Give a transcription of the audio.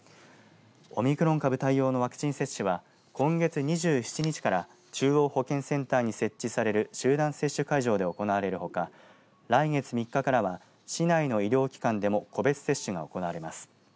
オミクロン株対応のワクチン接種は今月２７日から中央保健センターに設置される集団接種会場で行われるほか来月３日からは市内の医療機関でも個別接種が行われます。